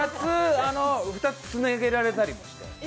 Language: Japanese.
２つつなげられたりもして。